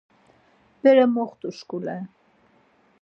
Bere moxtu-şkule…